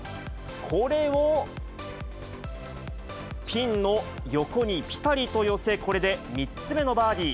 これを、ピンの横にぴたりと寄せ、これで３つ目のバーディー。